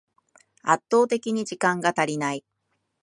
圧倒的に時間が足りない